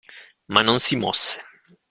Ma non si mosse.